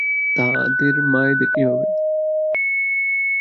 তাদের মায়েদের কী হবে?